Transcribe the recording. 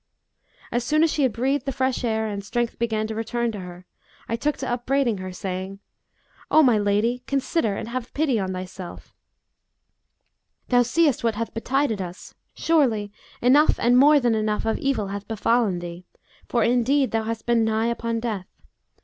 As soon as she had breathed the fresh air and strength began to return to her, I took to upbraiding her, saying, 'O my lady, consider and have pity on thyself; thou seest what hath betided us: surely, enough and more than enough of evil hath befallen thee; for indeed thou hast been nigh upon death.